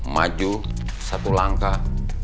maju satu langkah